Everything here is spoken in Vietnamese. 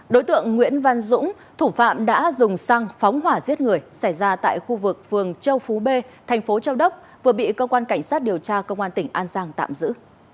đối tượng nguyễn văn dũng thủ phạm đã dùng xăng phóng hỏa giết người xảy ra tại khu vực phường châu phú b thành phố châu đốc vừa bị cơ quan cảnh sát điều tra công an tỉnh an giang tạm giữ